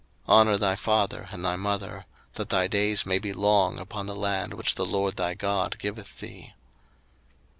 02:020:012 Honour thy father and thy mother: that thy days may be long upon the land which the LORD thy God giveth thee.